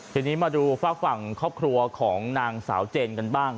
ทีนี้มาดูฝากฝั่งครอบครัวของนางสาวเจนกันบ้าง